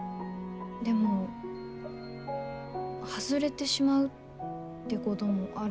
でも外れてしまうってこともあるんですよね。